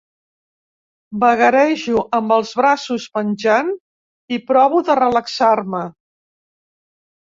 Vagarejo amb els braços penjant i provo de relaxar-me.